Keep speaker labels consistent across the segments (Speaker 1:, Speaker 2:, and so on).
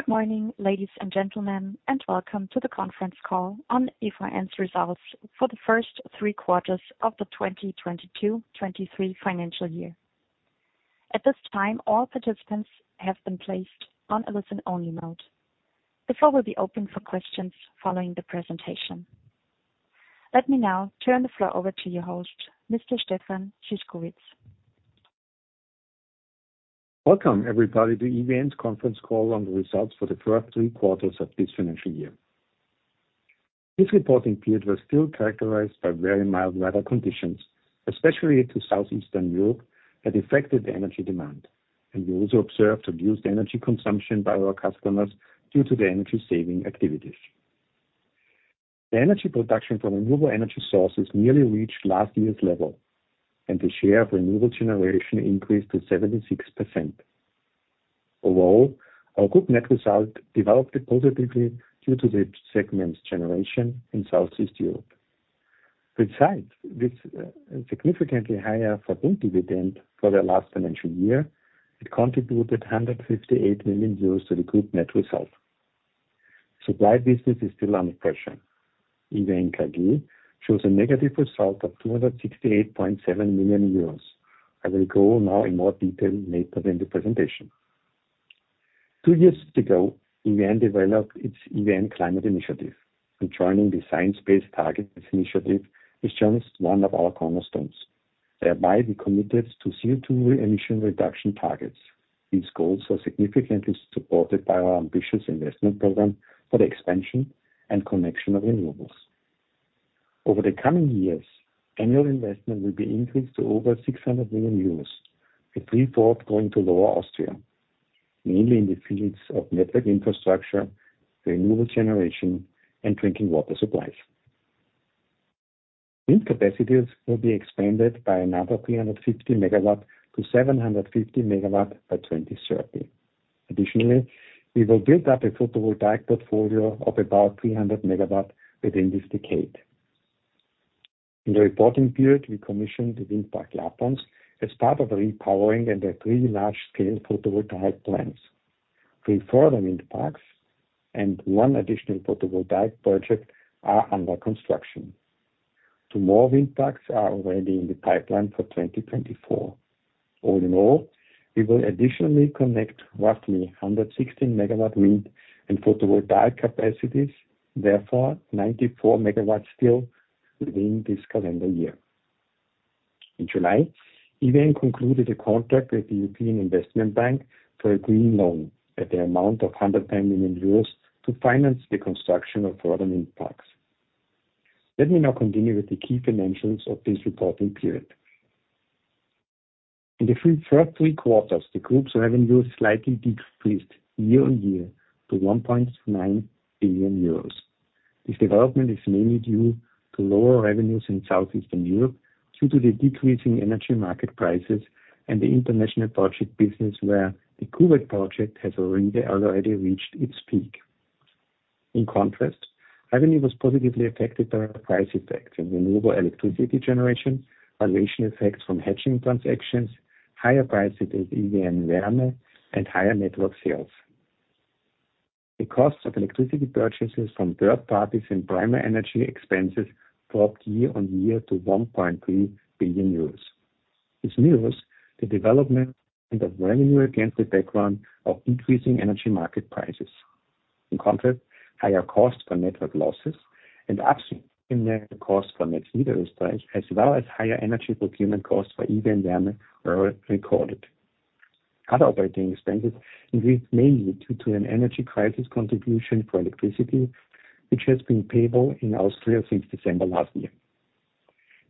Speaker 1: Good morning, ladies and gentlemen, and welcome to the Conference Call on EVN's results for the first three quarters of the 2022-2023 financial year. At this time, all participants have been placed on a listen-only mode. The floor will be open for questions following the presentation. Let me now turn the floor over to your host, Mr. Stefan Szyszkowitz.
Speaker 2: Welcome, everybody, to EVN's conference call on the results for the first three quarters of this financial year. This reporting period was still characterized by very mild weather conditions, especially to Southeastern Europe, that affected the energy demand, and we also observed reduced energy consumption by our customers due to the energy-saving activities. The energy production from renewable energy sources nearly reached last year's level, and the share of renewable generation increased to 76%. Overall, our group net result developed positively due to the segments Generation and South East Europe. Besides this, significantly higher Verbund dividend for the last financial year, it contributed 158 million euros to the group net result. Supply business is still under pressure. EVN KG shows a negative result of 268.7 million euros. I will go now in more detail later in the presentation. Two years ago, EVN developed its EVN Climate Initiative, and joining the Science Based Targets initiative is just one of our cornerstones. Thereby, we committed to CO2 emission reduction targets. These goals are significantly supported by our ambitious investment program for the expansion and connection of renewables. Over the coming years, annual investment will be increased to over 600 million euros, with three-fourths going to Lower Austria, mainly in the fields of network infrastructure, renewable generation, and drinking water supplies. Wind capacities will be expanded by another 350 MW to 750 MW by 2030. Additionally, we will build up a photovoltaic portfolio of about 300 MW within this decade. In the reporting period, we commissioned the wind park Laaben as part of the repowering and the three large-scale photovoltaic plants. Three further wind parks and one additional photovoltaic project are under construction. Two more wind parks are already in the pipeline for 2024. All in all, we will additionally connect roughly 116 MW wind and photovoltaic capacities; therefore, 94 MW still within this calendar year. In July, EVN concluded a contract with the European Investment Bank for a green loan at the amount of 110 million euros to finance the construction of further wind parks. Let me now continue with the key financials of this reporting period. In the first three quarters, the group's revenue slightly decreased year-on-year to 1.9 billion euros. This development is mainly due to lower revenues in Southeastern Europe due to the decreasing energy market prices and the international project business, where the Kuwait project has already reached its peak. In contrast, revenue was positively affected by price effects and renewable electricity generation, valuation effects from hedging transactions, higher prices in EVN Wärme, and higher network sales. The cost of electricity purchases from third parties and primary energy expenses dropped year-on-year to 1.3 billion euros. This mirrors the development of revenue against the background of increasing energy market prices. In contrast, higher costs for network losses and upstream network costs, as well as higher energy procurement costs for EVN Wärme were recorded. Other operating expenses increased mainly due to an energy crisis contribution for electricity, which has been payable in Austria since December last year.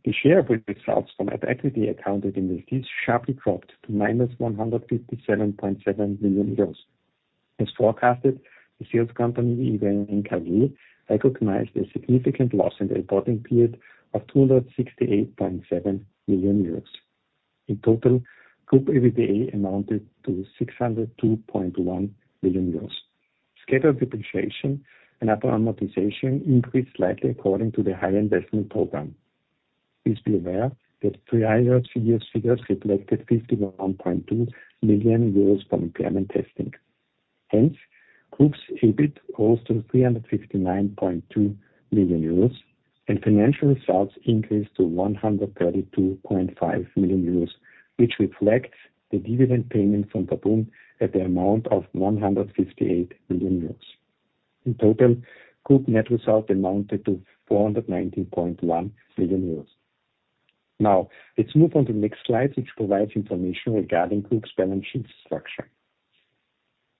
Speaker 2: The share of results from equity accounted investees sharply dropped to -157.7 million euros. As forecasted, the sales company, EVN KG, recognized a significant loss in the reporting period of 268.7 million euros. In total, group EBITDA amounted to 602.1 million euros. Scheduled depreciation and other amortization increased slightly according to the higher investment program. Please be aware that prior year's figures reflected 51.2 million euros from impairment testing. Hence, group's EBIT rose to 359.2 million euros, and financial results increased to 132.5 million euros, which reflects the dividend payment from Verbund at the amount of 158 million euros. In total, group net result amounted to 419.1 million euros. Now, let's move on to the next slide, which provides information regarding group's balance sheet structure.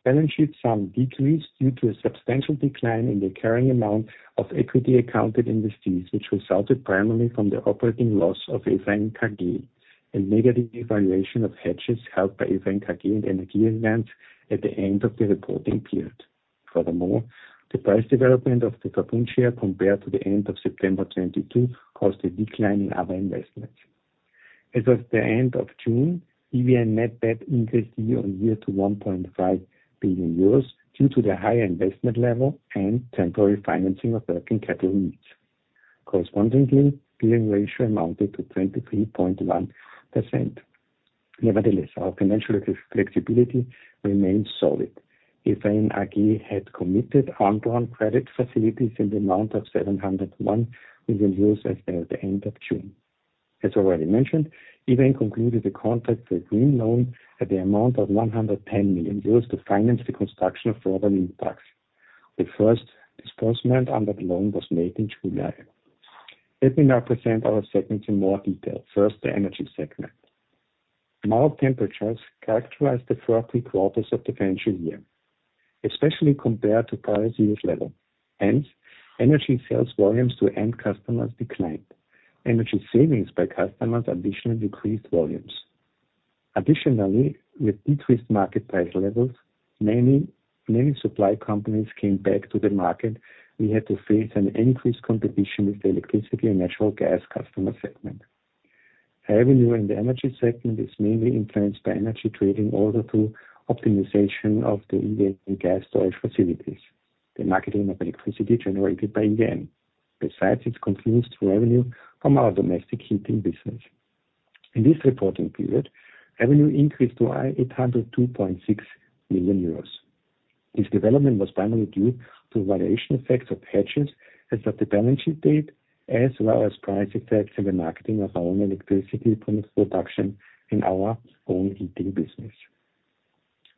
Speaker 2: Balance sheet sum decreased due to a substantial decline in the carrying amount of equity-accounted investees, which resulted primarily from the operating loss of EVN KG, a negative valuation of hedges held by EVN KG and EnergieAllianz at the end of the reporting period. Furthermore, the price development of the Verbund share compared to the end of September 2022 caused a decline in other investments. As of the end of June, EVN net debt increased year-on-year to 1.5 billion euros due to the higher investment level and temporary financing of working capital needs. Correspondingly, Gearing Ratio amounted to 23.1%. Nevertheless, our financial flexibility remains solid. EVN AG had committed undrawn credit facilities in the amount of 701 million euros as at the end of June. As already mentioned, EVN concluded a contract for a green loan at the amount of 110 million euros to finance the construction of further wind parks. The first disbursement under the loan was made in July. Let me now present our segments in more detail. First, the energy segment. Mild temperatures characterized the first three quarters of the financial year, especially compared to prior year's level, hence, energy sales volumes to end customers declined. Energy savings by customers additionally decreased volumes. Additionally, with decreased market price levels, many, many supply companies came back to the market. We had to face an increased competition with the electricity and natural gas customer segment. Revenue in the energy segment is mainly influenced by energy trading, also through optimization of the EVN gas storage facilities, the marketing of electricity generated by EVN. Besides, it contributes to revenue from our domestic heating business. In this reporting period, revenue increased to 802.6 million euros. This development was primarily due to valuation effects of hedges as at the balance sheet date, as well as price effects in the marketing of our own electricity production in our own heating business.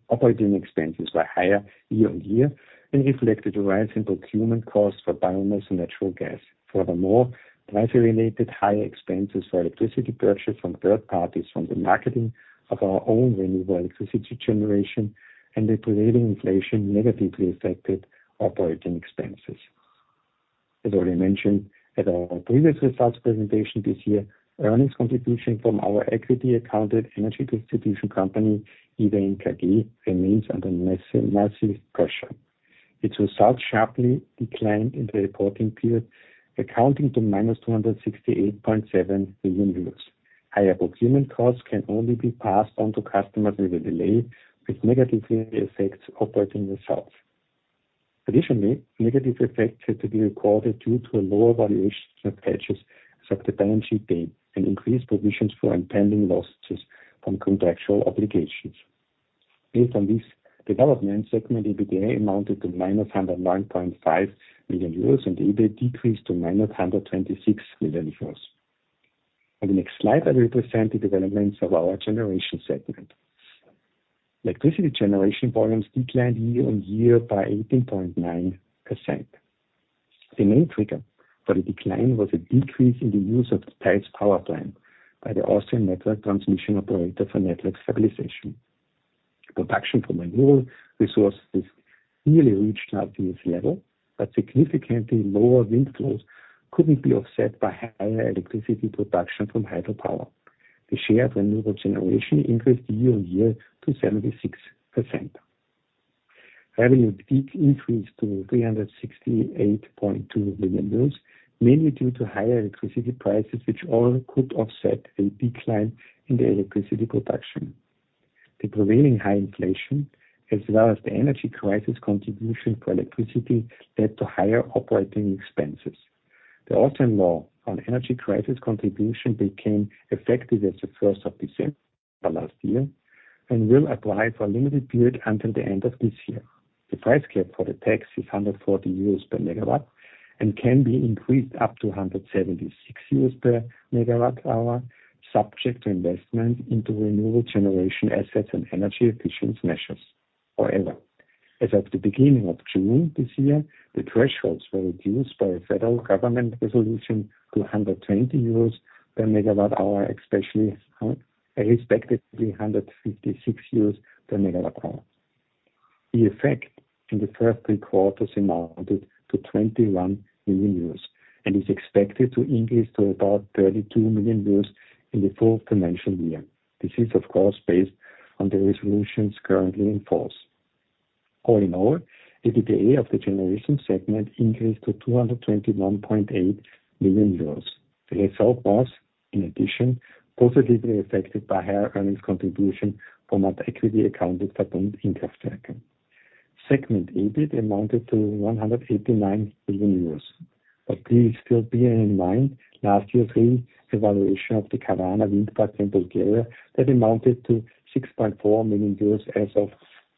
Speaker 2: Operating expenses were higher year-on-year, and reflected a rise in procurement costs for biomass and natural gas. Furthermore, price-related higher expenses for electricity purchase from third parties, from the marketing of our own renewable electricity generation and the prevailing inflation negatively affected operating expenses. As already mentioned at our previous results presentation this year, earnings contribution from our equity accounted energy distribution company, EVN KG, remains under massive pressure. Its results sharply declined in the reporting period, amounting to -268.7 million euros. Higher procurement costs can only be passed on to customers with a delay, which negatively affects operating results. Additionally, negative effects had to be recorded due to a lower valuation of hedges as at the balance sheet date, and increased provisions for impending losses from contractual obligations. Based on this development, segment EBITDA amounted to -109.5 million euros, and EBIT decreased to -126 million euros. On the next slide, I will present the developments of our generation segment. Electricity generation volumes declined year-on-year by 18.9%. The main trigger for the decline was a decrease in the use of the Theiss power plant by the Austrian network transmission operator for network stabilization. Production from renewable resources nearly reached last year's level, but significantly lower wind flows couldn't be offset by higher electricity production from hydropower. The share of renewable generation increased year-on-year to 76%. Revenue peak increased to 368.2 million euros, mainly due to higher electricity prices, which all could offset a decline in the electricity production. The prevailing high inflation, as well as the energy crisis contribution for electricity, led to higher operating expenses. The Austrian law on energy crisis contribution became effective as of first of December last year, and will apply for a limited period until the end of this year. The price cap for the tax is 140 euros MWh, and can be increased up to 176 euros per MWh, subject to investment into renewable generation assets and energy efficiency measures. However, as at the beginning of June this year, the thresholds were reduced by a federal government resolution to 120 euros per MWh, especially, respectively, 156 euros per MWh. The effect in the first three quarters amounted to 21 million euros, and is expected to increase to about 32 million euros in the full financial year. This is, of course, based on the resolutions currently in force. All in all, EBITDA of the generation segment increased to 221.8 million euros. The result was, in addition, positively affected by higher earnings contribution from our equity-accounted wind infrastructure. Segment EBIT amounted to 189 million euros, but please still bear in mind, last year's revaluation of the Kavarna wind park in Bulgaria that amounted to 6.4 million euros as of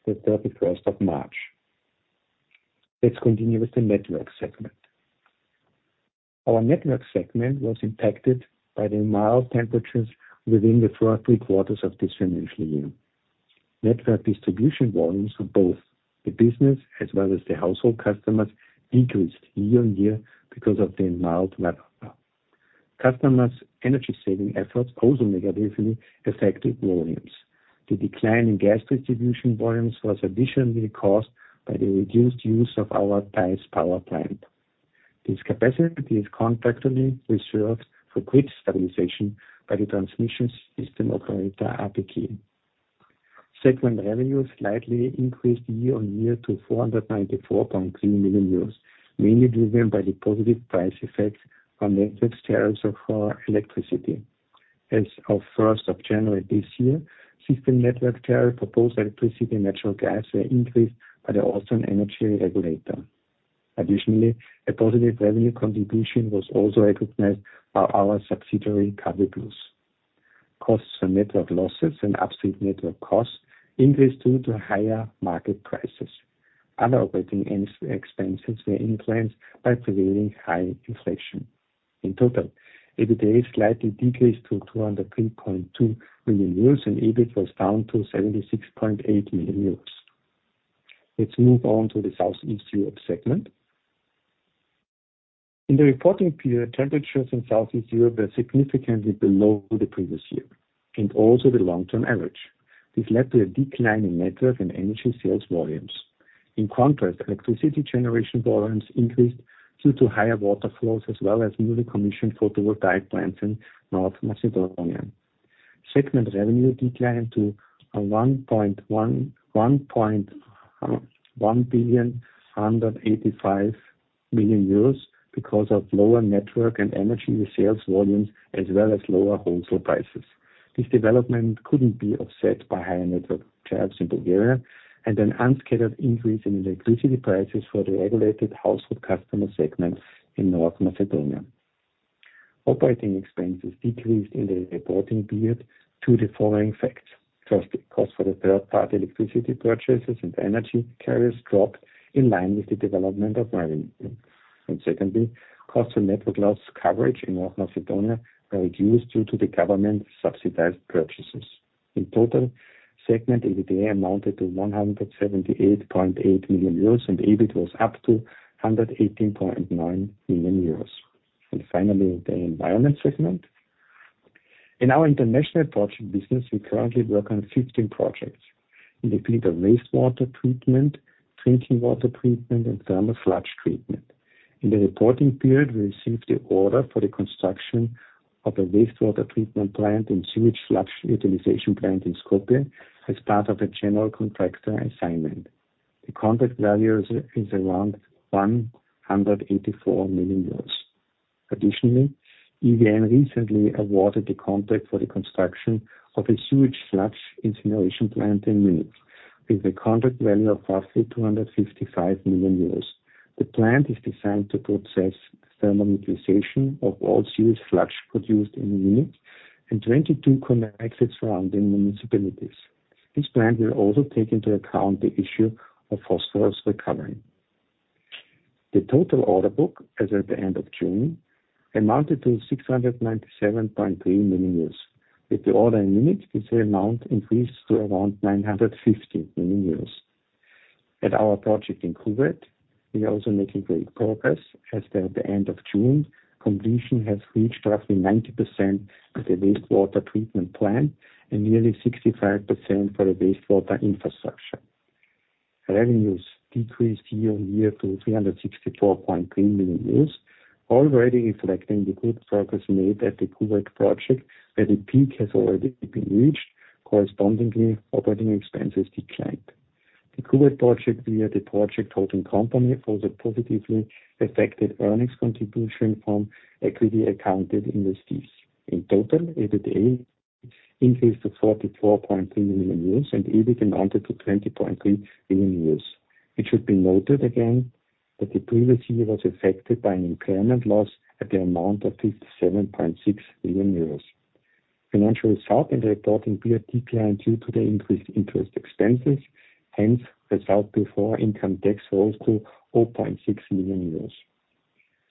Speaker 2: the thirty-first of March. Let's continue with the network segment. Our network segment was impacted by the mild temperatures within the first three quarters of this financial year. Network distribution volumes of both the business as well as the household customers decreased year-on-year because of the mild weather. Customers' energy saving efforts also negatively affected volumes. The decline in gas distribution volumes was additionally caused by the reduced use of our Theiss power plant. This capacity is contractually reserved for grid stabilization by the transmission system operator, APG. Segment revenue slightly increased year-on-year to 494.3 million euros, mainly driven by the positive price effects on network tariffs of our electricity. As of January 1 this year, system network tariffs for both electricity and natural gas were increased by the Austrian energy regulator. Additionally, a positive revenue contribution was also recognized by our subsidiary, Kabelplus. Costs and network losses and upstream network costs increased due to higher market prices. Other operating expenses were influenced by prevailing high inflation. In total, EBITDA slightly decreased to 203.2 million euros, and EBIT was down to 76.8 million euros. Let's move South East Europe segment. in the reporting South East Europe were significantly below the previous year and also the long-term average. This led to a decline in network and energy sales volumes. In contrast, electricity generation volumes increased due to higher water flows as well as newly commissioned photovoltaic plants in North Macedonia. Segment revenue declined to one billion, one hundred eighty-five million euros because of lower network and energy sales volumes, as well as lower wholesale prices. This development couldn't be offset by higher network tariffs in Bulgaria and an unscheduled increase in electricity prices for the regulated household customer segment in North Macedonia. Operating expenses decreased in the reporting period due to the following facts. First, cost for the third-party electricity purchases and energy carriers dropped in line with the development of volume. Secondly, cost of network loss coverage in North Macedonia were reduced due to the government's subsidized purchases. In total, segment EBITDA amounted to 178.8 million euros, and EBIT was up to 118.9 million euros. Finally, the environment segment. In our international project business, we currently work on 15 projects in the field of wastewater treatment, drinking water treatment, and thermal sludge treatment. In the reporting period, we received the order for the construction of a wastewater treatment plant and sewage sludge utilization plant in Skopje as part of a general contractor assignment. The contract value is around 184 million euros. Additionally, EVN recently awarded the contract for the construction of a sewage sludge incineration plant in Munich, with a contract value of roughly 255 million euros. The plant is designed to process thermal neutralization of all sewage sludge produced in Munich and 22 connected surrounding municipalities. This plant will also take into account the issue of phosphorus recovery. The total order book, as at the end of June, amounted to 697.3 million euros. With the order in Munich, this amount increased to around 950 million euros. At our project in Kuwait, we are also making great progress, as at the end of June, completion has reached roughly 90% of the wastewater treatment plant and nearly 65% for the wastewater infrastructure. Revenues decreased year-on-year to 364.3 million, already reflecting the good progress made at the Kuwait project, where the peak has already been reached. Correspondingly, operating expenses declined. The Kuwait project via the project holding company also positively affected earnings contribution from equity accounted investees. In total, EBITDA increased to 44.3 million, and EBIT amounted to 20.3 million. It should be noted again, that the previous year was affected by an impairment loss at the amount of 57.6 million euros. Financial results in the reporting period declined due to the increased interest expenses; hence, result before income tax rose to 4.6 million euros.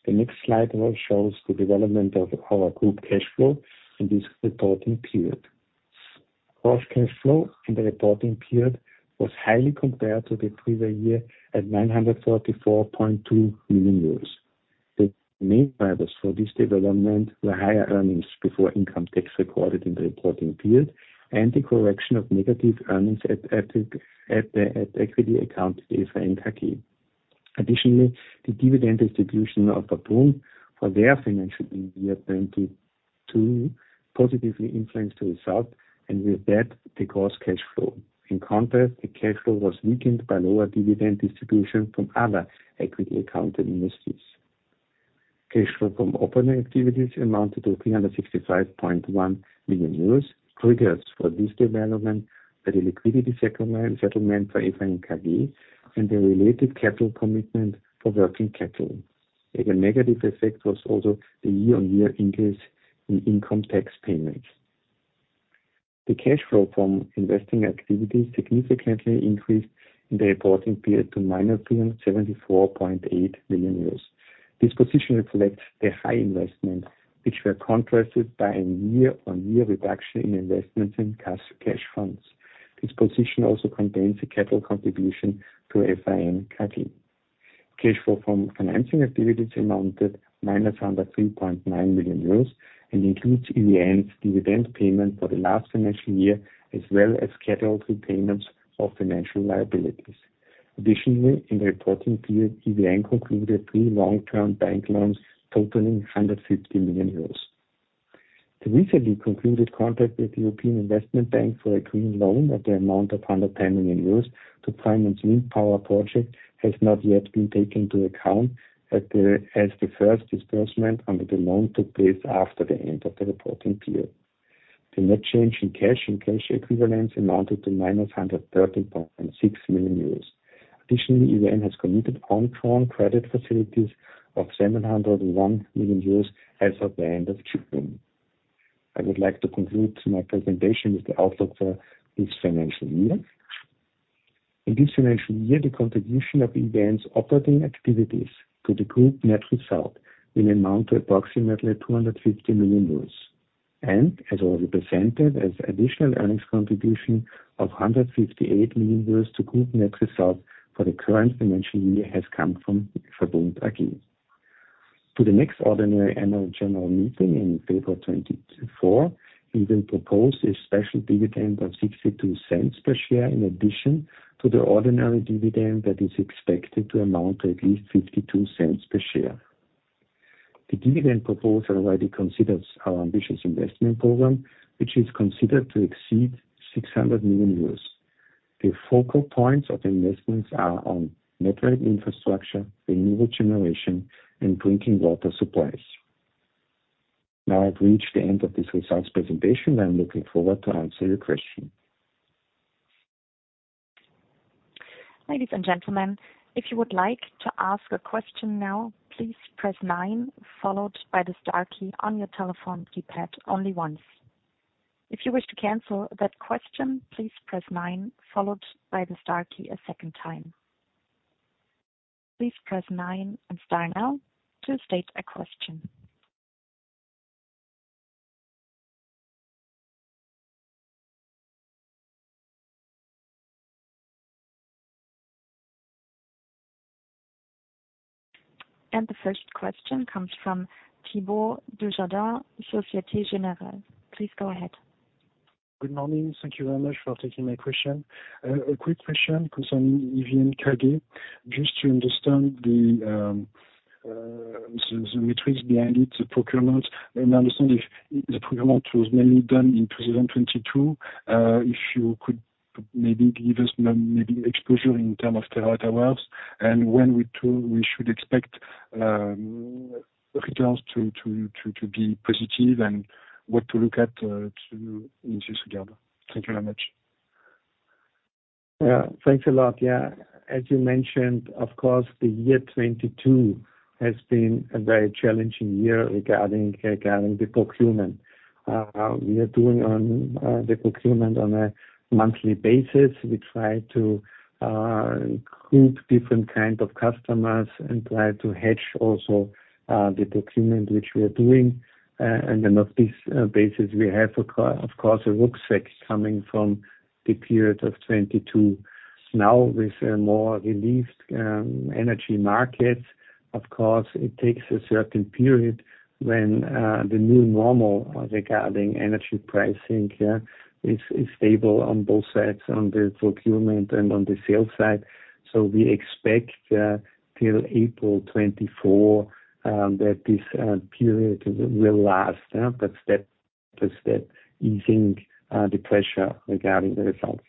Speaker 2: The next slide now shows the development of our group cash flow in this reporting period. Gross cash flow in the reporting period was higher compared to the previous year at 944.2 million euros. The main drivers for this development were higher earnings before income tax recorded in the reporting period and the correction of negative earnings at equity accounted EVN KG. Additionally, the dividend distribution of Verbund for their financial year 2022 positively influenced the result, and with that, the gross cash flow. In contrast, the cash flow was weakened by lower dividend distribution from other equity accounted investees. Cash flow from operating activities amounted to 365.1 million euros. Triggers for this development are the liquidity settlement for EVN KG, and the related capital commitment for working capital. A negative effect was also the year-on-year increase in income tax payments. The cash flow from investing activities significantly increased in the reporting period to -374.8 million euros. This position reflects the high investment, which were contrasted by a year-on-year reduction in investments in cash, cash funds. This position also contains a capital contribution to EVN KG. Cash flow from financing activities amounted to -103.9 million euros and includes EVN's dividend payment for the last financial year, as well as scheduled repayments of financial liabilities. Additionally, in the reporting period, EVN concluded three long-term bank loans totaling 150 million euros. The recently concluded contract with the European Investment Bank for a green loan at the amount of 110 million euros to finance wind power project has not yet been taken into account, as the first disbursement under the loan took place after the end of the reporting period. The net change in cash and cash equivalents amounted to -113.6 million euros. Additionally, EVN has committed undrawn credit facilities of 701 million euros as of the end of Q3. I would like to conclude to my presentation with the outlook for this financial year. In this financial year, the contribution of EVN's operating activities to the group net result will amount to approximately 250 million euros, and as already presented, as additional earnings contribution of 158 million euros to group net results for the current financial year has come from Verbund AG. To the next ordinary annual general meeting in April 2024, we will propose a special dividend of 0.62 per share, in addition to the ordinary dividend that is expected to amount to at least 0.52 per share. The dividend proposal already considers our ambitious investment program, which is considered to exceed 600 million euros. The focal points of investments are on network infrastructure, renewable generation, and drinking water supplies. Now, I've reached the end of this results presentation, and I'm looking forward to answer your question.
Speaker 1: Ladies and gentlemen, if you would like to ask a question now, please press nine, followed by the star key on your telephone keypad only once. If you wish to cancel that question, please press nine, followed by the star key a second time. Please press nine and star now to state a question. The first question comes from Thibault Dujardin, Société Générale. Please go ahead.
Speaker 3: Good morning. Thank you very much for taking my question. A quick question concerning EVN KG, just to understand the metrics behind it, the procurement. I understand if the procurement was mainly done in 2022, if you could maybe give us maybe exposure in terms of terawatt hours and when we should expect returns to be positive and what to look at in this regard. Thank you very much.
Speaker 2: Yeah, thanks a lot. Yeah. As you mentioned, of course, the year 2022 has been a very challenging year regarding the procurement. We are doing the procurement on a monthly basis. We try to include different kind of customers and try to hedge also the procurement which we are doing. And then on this basis, we have, of course, a rucksack coming from the period of 2022. Now, with a more released energy market, of course, it takes a certain period when the new normal regarding energy pricing, yeah, is stable on both sides, on the procurement and on the sales side. So we expect till April 2024 that this period will last, yeah, but step by step, easing the pressure regarding the results.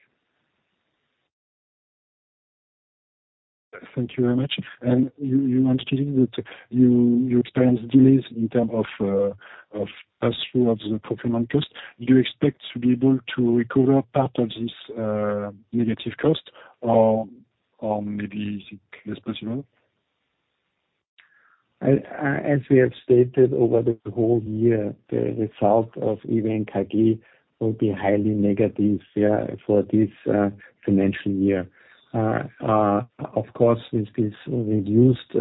Speaker 3: Thank you very much. And you, you mentioned that you, you experienced delays in terms of, of pass-through of the procurement cost. Do you expect to be able to recover part of this, negative cost or, or maybe is it less possible?
Speaker 2: As we have stated over the whole year, the result of EVN KG will be highly negative, yeah, for this financial year. Of course, with this reduced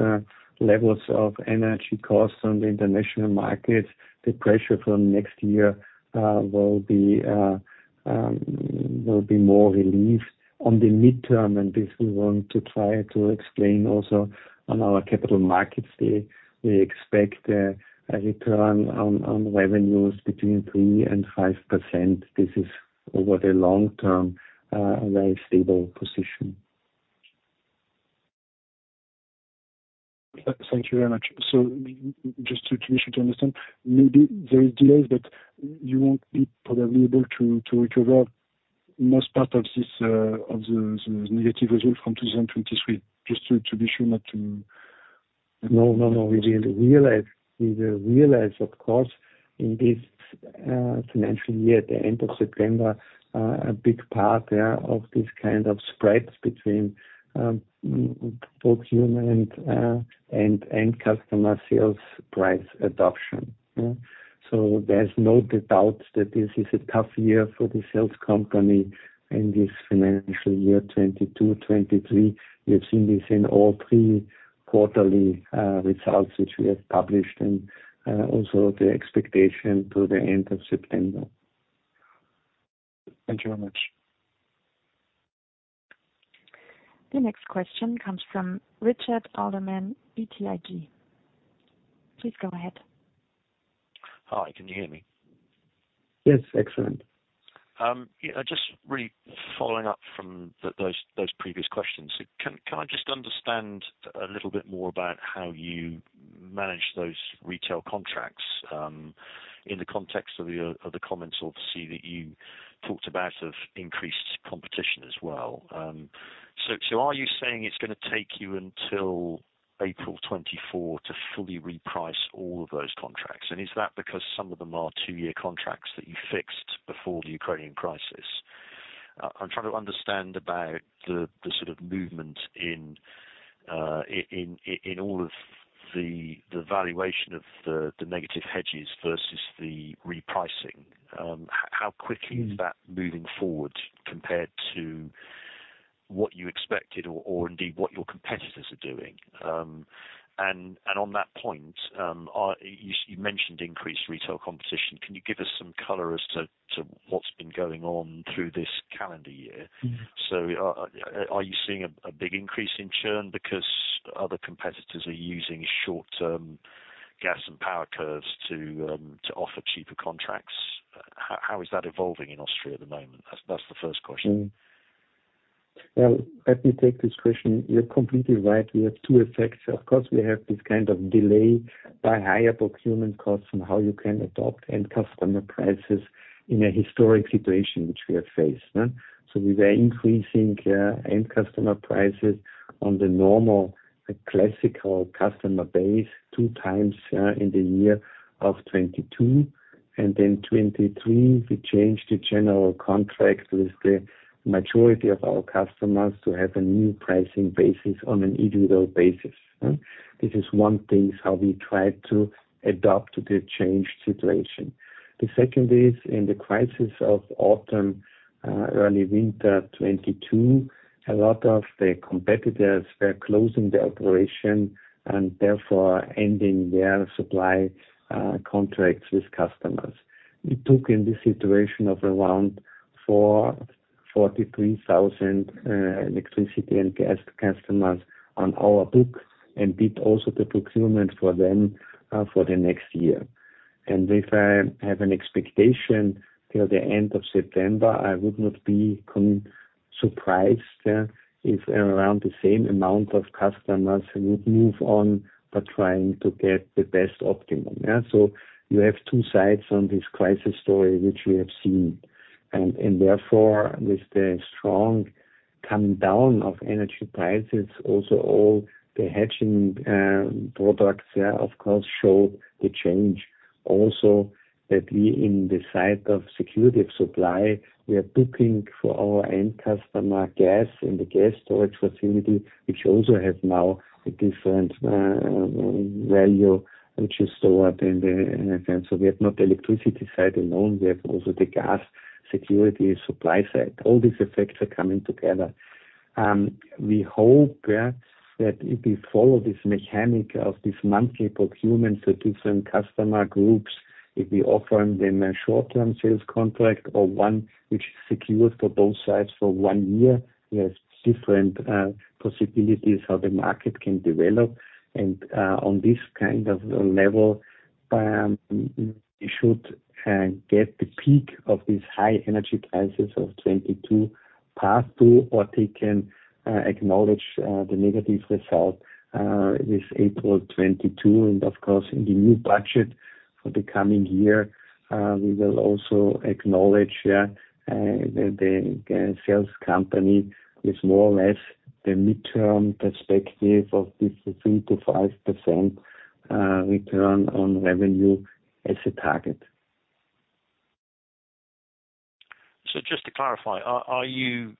Speaker 2: levels of energy costs on the international market, the pressure from next year will be more relieved on the midterm, and this we want to try to explain also on our capital markets day. We expect a return on revenues between 3% and 5%. This is over the long term a very stable position.
Speaker 3: Thank you very much. So just to be sure to understand, maybe there is delays, but you won't be probably able to recover most part of this of the negative result from 2023, just to be sure not to-
Speaker 2: No, no, no, we will realize, we will realize, of course, in this financial year, at the end of September, a big part, yeah, of this kind of spreads between procurement and customer sales price adoption. So there's no doubt that this is a tough year for the sales company in this financial year, 2022-2023. We have seen this in all three quarterly results, which we have published, and also the expectation to the end of September.
Speaker 3: Thank you very much.
Speaker 1: The next question comes from Richard Sherwood, BTIG. Please go ahead.
Speaker 4: Hi, can you hear me?
Speaker 2: Yes. Excellent.
Speaker 4: Yeah, just really following up from those previous questions. Can I just understand a little bit more about how you manage those retail contracts in the context of the comments, obviously, that you talked about, of increased competition as well? So, are you saying it's gonna take you until April 2024 to fully reprice all of those contracts? And is that because some of them are two-year contracts that you fixed before the Ukrainian crisis? I'm trying to understand about the sort of movement in all of the valuation of the negative hedges versus the repricing. How quickly is that moving forward compared to what you expected or indeed what your competitors are doing? And on that point, you mentioned increased retail competition. Can you give us some color as to what's been going on through this calendar year?
Speaker 2: Mm-hmm.
Speaker 4: So, are you seeing a big increase in churn because other competitors are using short-term gas and power curves to offer cheaper contracts? How is that evolving in Austria at the moment? That's the first question.
Speaker 2: Well, let me take this question. You're completely right. We have two effects. Of course, we have this kind of delay by higher procurement costs and how you can adopt end customer prices in a historic situation, which we have faced. So we were increasing end customer prices on the normal, classical customer base two times in the year of 2022. And then 2023, we changed the general contract with the majority of our customers to have a new pricing basis on an individual basis. This is one thing, is how we try to adapt to the changed situation. The second is in the crisis of autumn early winter 2022, a lot of the competitors were closing their operation and therefore ending their supply contracts with customers. We took in this situation around 443,000 electricity and gas customers on our book, and did also the procurement for them for the next year. And if I have an expectation till the end of September, I would not be surprised if around the same amount of customers would move on by trying to get the best optimum, yeah. So you have two sides on this crisis story, which we have seen. And, and therefore, with the strong coming down of energy prices, also all the hedging products, yeah, of course, show the change. Also, that we in the side of security of supply, we are booking for our end customer gas in the gas storage facility, which also have now a different value. So we have not the electricity side alone, we have also the gas security supply side. All these effects are coming together. We hope that if we follow this mechanic of this monthly procurement to different customer groups, if we offer them a short-term sales contract, or one which is secured for both sides for one year, there's different possibilities how the market can develop. And on this kind of level, we should get the peak of this high energy crisis of 2022 pass through, or they can acknowledge the negative result with April 2022. Of course, in the new budget for the coming year, we will also acknowledge the sales company with more or less the midterm perspective of this 3%-5% return on revenue as a target.
Speaker 4: So just to clarify, are you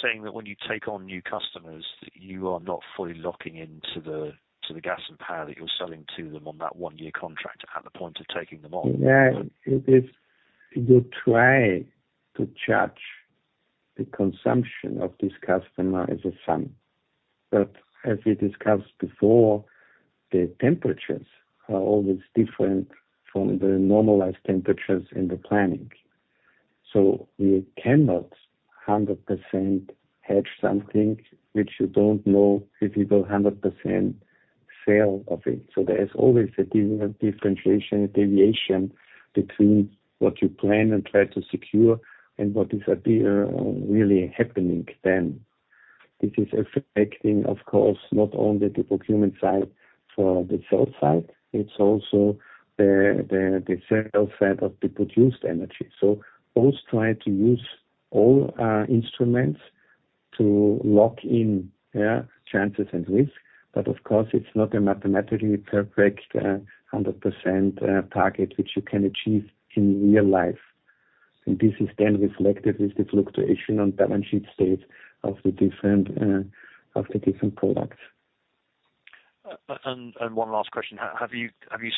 Speaker 4: saying that when you take on new customers, you are not fully locking into the gas and power that you're selling to them on that one-year contract at the point of taking them on?
Speaker 2: Yeah, it is. We try to judge the consumption of this customer as a sum. But as we discussed before, the temperatures are always different from the normalized temperatures in the planning. So we cannot 100% hedge something which you don't know if you will 100% sell off it. So there is always a different differentiation, deviation between what you plan and try to secure and what appears really happening then. This is affecting, of course, not only the procurement side but the sales side, it's also the sales side of the produced energy. So always try to use all instruments to lock in, yeah, chances and risks. But of course, it's not a mathematically perfect 100% target, which you can achieve in real life. This is then reflected with the fluctuation on balance sheet state of the different, of the different products.
Speaker 4: And one last question. Have you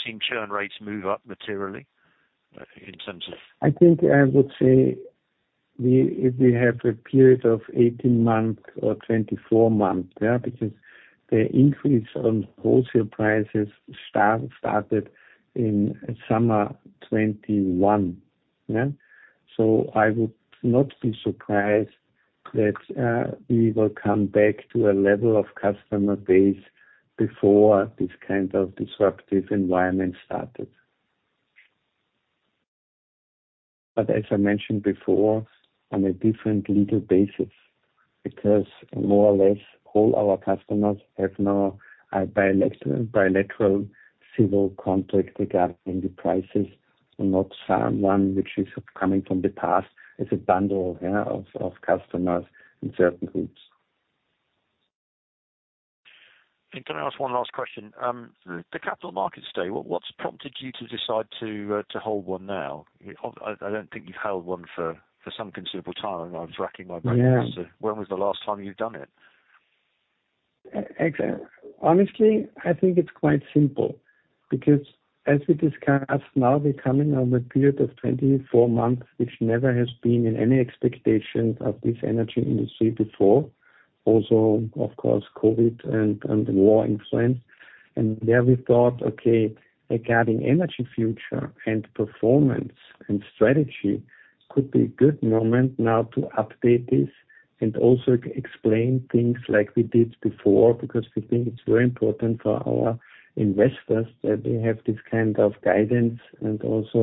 Speaker 4: seen churn rates move up materially in terms of-
Speaker 2: I think I would say we—if we have a period of 18 months or 24 months, yeah, because the increase on wholesale prices started in summer 2021. Yeah. So I would not be surprised that we will come back to a level of customer base before this kind of disruptive environment started. But as I mentioned before, on a different legal basis, because more or less all our customers have now a bilateral civil contract regarding the prices. So not someone which is coming from the past. It's a bundle, yeah, of customers in certain groups.
Speaker 4: Can I ask one last question? The Capital Markets Day, what, what's prompted you to decide to, to hold one now? I don't think you've held one for some considerable time. I was racking my brain-
Speaker 2: Yeah.
Speaker 4: As to when was the last time you've done it?
Speaker 2: Actually, honestly, I think it's quite simple. Because as we discussed, now we're coming on a period of 24 months, which never has been in any expectations of this energy industry before. Also, of course, COVID and the war in Ukraine. And there we thought, okay, regarding energy future and performance and strategy, could be a good moment now to update this and also to explain things like we did before. Because we think it's very important for our investors that they have this kind of guidance, and also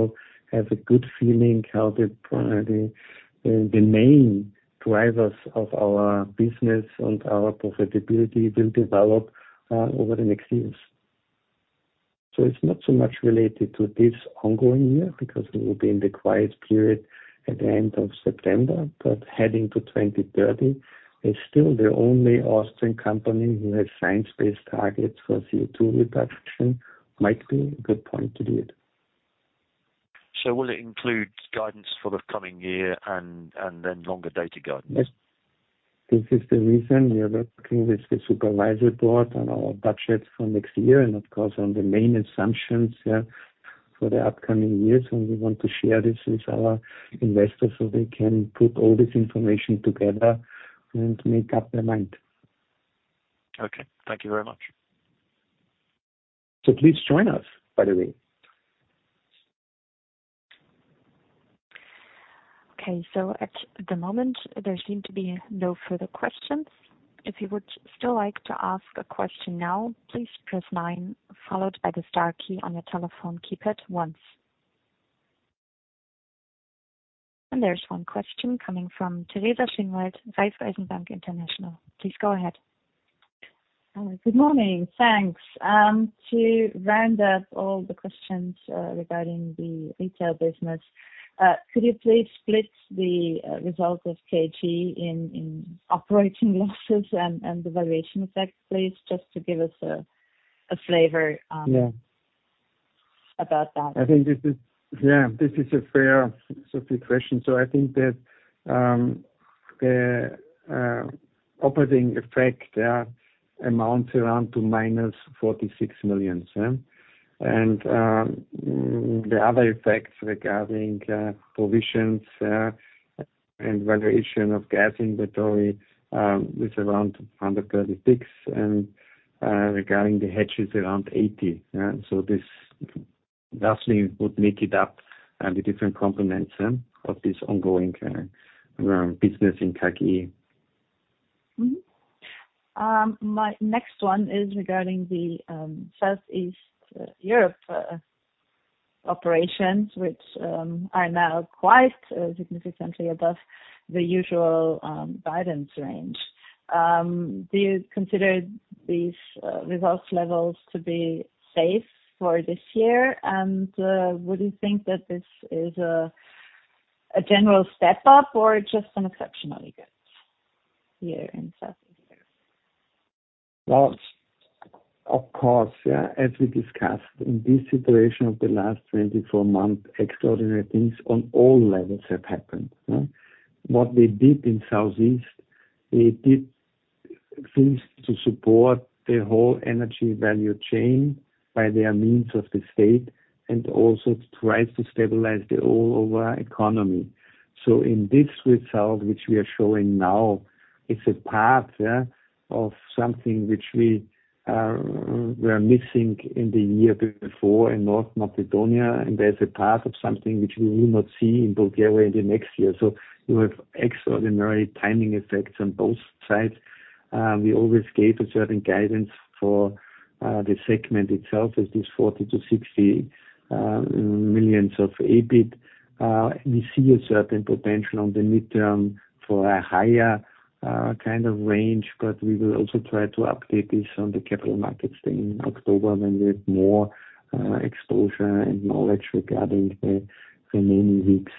Speaker 2: have a good feeling how the, the main drivers of our business and our profitability will develop, over the next years. So it's not so much related to this ongoing year, because we will be in the quiet period at the end of September. But heading to 2030, it's still the only Austrian company who has science-based targets for CO2 reduction, might be a good point to do it.
Speaker 4: Will it include guidance for the coming year and then longer data guidance?
Speaker 2: Yes. This is the reason we are working with the Supervisory Board on our budget for next year, and of course, on the main assumptions, yeah, for the upcoming years. We want to share this with our investors, so they can put all this information together and make up their mind.
Speaker 4: Okay, thank you very much.
Speaker 2: Please join us, by the way.
Speaker 1: Okay, so at the moment, there seem to be no further questions. If you would still like to ask a question now, please press nine, followed by the star key on your telephone keypad once. And there's one question coming from Teresa Schinwald, Raiffeisen Bank International. Please go ahead.
Speaker 5: Good morning. Thanks. To round up all the questions regarding the retail business, could you please split the results of KG in operating losses and the valuation effect, please? Just to give us a flavor,
Speaker 2: Yeah.
Speaker 5: About that.
Speaker 2: I think this is. Yeah, this is a fair, fair question. So I think that operating effect amounts around to -46 million, yeah. And the other effects regarding provisions and valuation of gas inventory is around 136, and regarding the hedges, around 80, yeah. So this roughly would make it up the different components, yeah, of this ongoing business in KG.
Speaker 5: Mm-hmm. My next one South East Europe operations, which are now quite significantly above the usual guidance range. Do you consider these results levels to be safe for this year? And would you think that this is a general step up or just some exceptionally good year in South East Europe?
Speaker 2: Well, of course, yeah, as we discussed in this situation of the last 24 months, extraordinary things on all levels have happened, yeah? What we did in Southeast, we did things to support the whole energy value chain by their means of the state, and also to try to stabilize the overall economy. So in this result, which we are showing now, it's a part, yeah, of something which we were missing in the year before in North Macedonia. And there's a part of something which we will not see in Bulgaria in the next year. So we have extraordinary timing effects on both sides. We always gave a certain guidance for the segment itself, is this 40 million-60 million of EBIT. We see a certain potential on the midterm for a higher kind of range, but we will also try to update this on the Capital Markets Day in October, when we have more exposure and knowledge regarding the remaining weeks.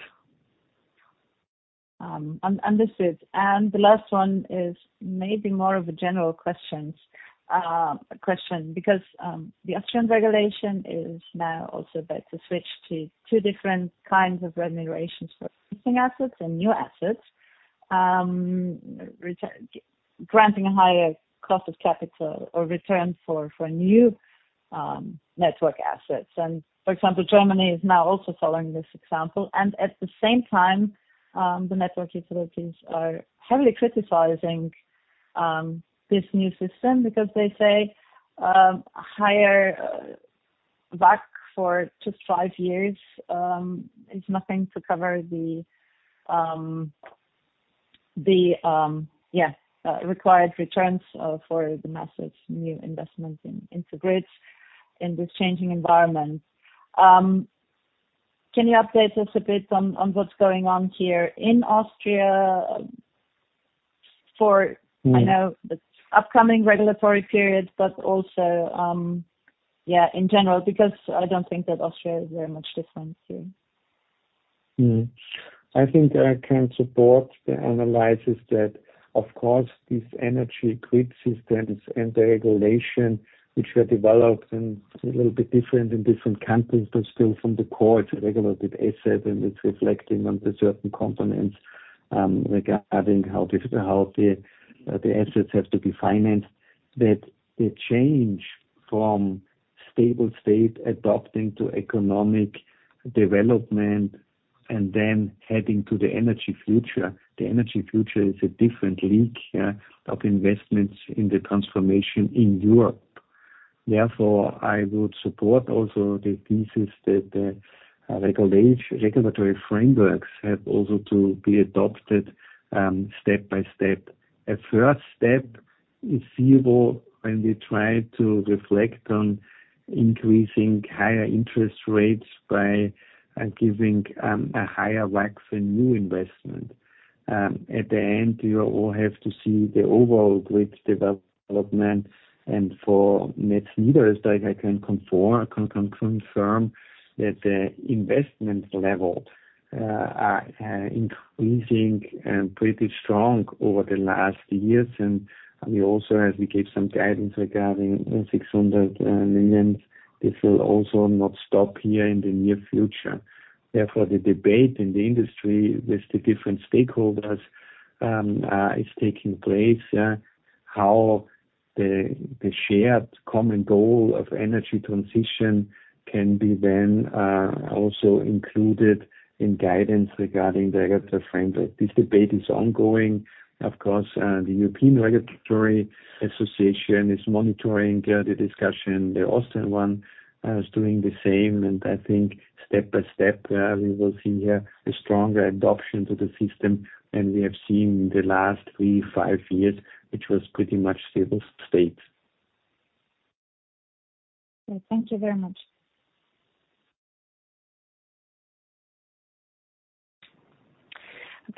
Speaker 5: Understood. And the last one is maybe more of a general question. Because the Austrian regulation is now also about to switch to two different kinds of remunerations for existing assets and new assets. Regarding granting a higher cost of capital or return for new network assets. And, for example, Germany is now also following this example, and at the same time, the network utilities are heavily criticizing this new system. Because they say, higher WACC for just five years is nothing to cover the required returns for the massive new investments into grids in this changing environment. Can you update us a bit on what's going on here in Austria?... for, I know, the upcoming regulatory period, but also, yeah, in general, because I don't think that Austria is very much different here.
Speaker 2: Mm-hmm. I think I can support the analysis that, of course, this energy grid systems and the regulation which were developed and a little bit different in different countries, but still from the core regulated asset, and it's reflecting on the certain components regarding how difficult how the assets have to be financed, that the change from stable state adoption to economic development and then heading to the energy future. The energy future is a different league, yeah, of investments in the transformation in Europe. Therefore, I would support also the thesis that the regulatory frameworks have also to be adopted step-by-step. A first step is feasible when we try to reflect on increasing higher interest rates by giving a higher WACC and new investment. At the end, you will have to see the overall grid development, and for Netz Niederösterreich, like, I can confirm that the investment level are increasing pretty strong over the last years. And we also, as we gave some guidance regarding 600 million, this will also not stop here in the near future. Therefore, the debate in the industry with the different stakeholders is taking place, how the shared common goal of energy transition can be then also included in guidance regarding the regulatory framework. This debate is ongoing. Of course, the European Regulatory Association is monitoring the discussion. The Austrian one is doing the same, and I think step-by-step we will see a stronger adoption to the system than we have seen in the last 3-5 years, which was pretty much stable state.
Speaker 5: Thank you very much.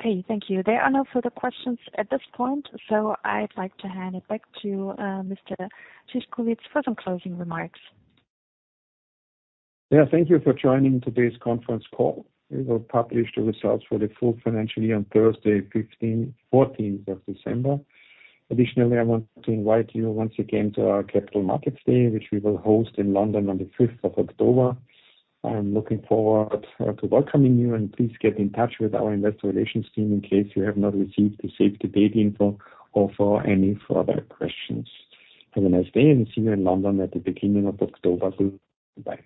Speaker 1: Okay, thank you. There are no further questions at this point, so I'd like to hand it back to Mr. Szyszkowitz for some closing remarks.
Speaker 2: Yeah, thank you for joining today's conference call. We will publish the results for the full financial year on Thursday, fourteenth of December. Additionally, I want to invite you once again to our Capital Markets Day, which we will host in London on the fifth of October. I'm looking forward to welcoming you, and please get in touch with our investor relations team in case you have South East Europe or for any further questions. Have a nice day, and see you in London at the beginning of October. Goodbye.